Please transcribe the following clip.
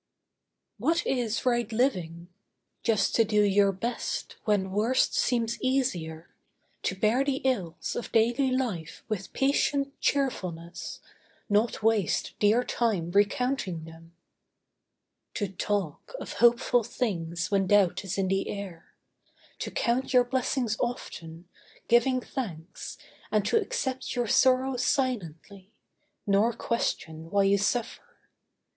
What is right living? Just to do your best When worst seems easier. To bear the ills Of daily life with patient cheerfulness Nor waste dear time recounting them. To talk Of hopeful things when doubt is in the air. To count your blessings often, giving thanks, And to accept your sorrows silently, Nor question why you suffer.